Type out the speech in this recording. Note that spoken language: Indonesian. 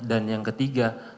dan yang ketiga